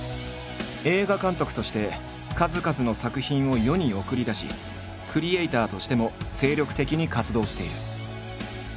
映画監督として数々の作品を世に送り出しクリエーターとしても精力的に活動している。